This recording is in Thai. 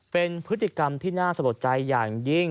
เป็นพฤติกรรมที่น่าสะลดใจอย่างยิ่ง